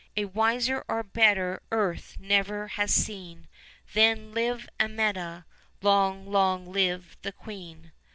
A wiser or better earth never has seen; Then, live Amietta; long, long live the queen.